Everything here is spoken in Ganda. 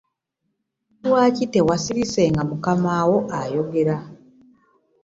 Lwaki tewasirise nga mukamawo ayogera?